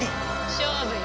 勝負よ。